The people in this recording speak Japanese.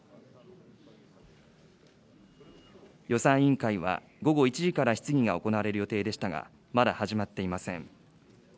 予算委員会は午後１時から質疑が行われる予定でしたが、まだ始まっていません。